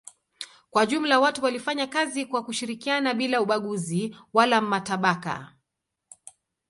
Kwa jumla watu walifanya kazi kwa kushirikiana bila ubaguzi wala matabaka.